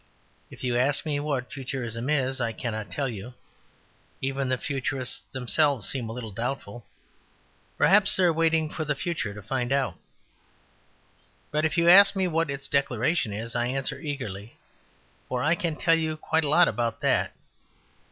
If you ask me what Futurism is, I cannot tell you; even the Futurists themselves seem a little doubtful; perhaps they are waiting for the future to find out. But if you ask me what its Declaration is, I answer eagerly; for I can tell you quite a lot about that.